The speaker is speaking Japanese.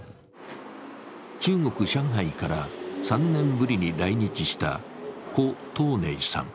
中国・上海から３年ぶりに来日した顧東寧さん。